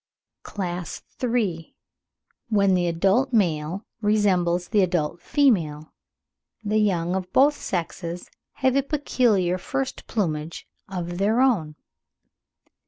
CLASS III. — WHEN THE ADULT MALE RESEMBLES THE ADULT FEMALE, THE YOUNG OF BOTH SEXES HAVE A PECULIAR FIRST PLUMAGE OF THEIR OWN.